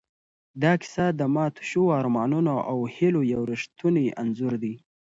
دا کیسه د ماتو شوو ارمانونو او هیلو یو ریښتونی انځور دی.